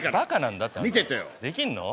できんの。